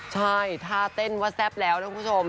ใช่ท่าเต้นว่าแซ่บแล้วนะคุณผู้ชม